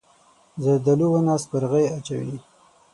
زردالو ونه سپرغۍ اچوي.